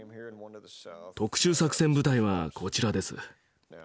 特殊作戦部隊はこちらです。